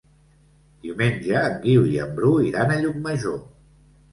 Diumenge en Guiu i en Bru iran a Llucmajor.